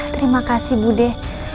terima kasih bude